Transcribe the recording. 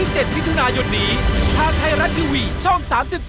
จุดนี้ทางไทรัตทวีช่อง๓๒